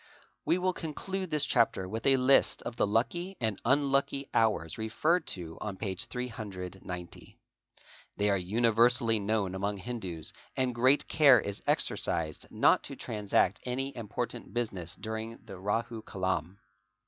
We will conclude this chapter with a list of the lucky and unlucky hours referred to on p.390. They are universally known among Hindus and great care is exercised not to transact any important business during the Rahu kalam.